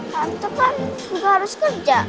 tante kan juga harus kerja